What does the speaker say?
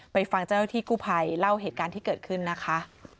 ฟังเจ้าหน้าที่กู้ภัยเล่าเหตุการณ์ที่เกิดขึ้นนะคะ